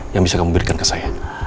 yang bisa kamu berikan ke saya